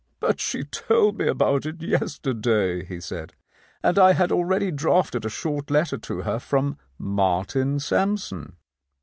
"But she told me about it yesterday," he said, "and I had already drafted a short letter to her from Martin Sampson."